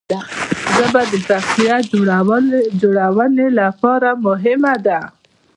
ژبه د شخصیت جوړونې لپاره مهمه ده.